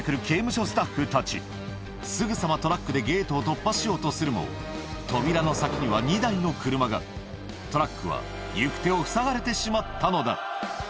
刑務所スタッフたちすぐさまトラックでゲートを突破しようとするも扉の先には２台の車がトラックは行く手をふさがれてしまったのだ